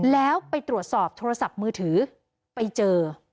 แล้วไปตรวจสอบโทรศัพท์มือถือไปเจอ